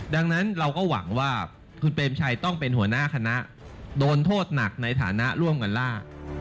ดังนั้นเราก็หวังว่าคุณเปรมชัยต้องเป็นหัวหน้าคณะโดนโทษหนักในฐานะร่วมกันล่า